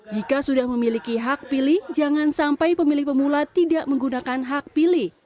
jika sudah memiliki hak pilih jangan sampai pemilih pemula tidak menggunakan hak pilih